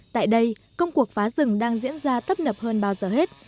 tại đây công cuộc phá rừng đang diễn ra tấp nập hơn bao giờ hết